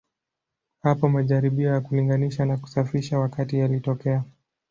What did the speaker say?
Hapo majaribio ya kulinganisha na kusafisha wakati yalitokea.